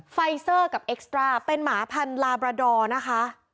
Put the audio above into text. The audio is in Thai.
ไฟเซอร์กับเอ็กซ์ตราเป็นหมาพันลาบราดอร์นะคะ